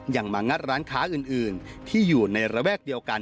ยังมางัดร้านค้าอื่นที่อยู่ในระแวกเดียวกัน